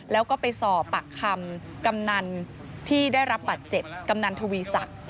แล้วก็ไปสอบปากคำกำนันที่ได้รับบัตรเจ็บกำนันทวีศักดิ์